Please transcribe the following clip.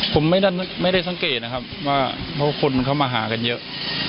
ผมไม่ได้สังเกตนะครับว่าเพราะคนเข้ามาหากันเยอะ